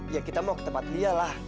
ya kita mau ke tempat dia lah